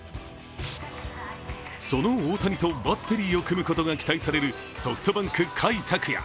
その大谷とバッテリーを組むことが期待されるソフトバンク・甲斐拓也。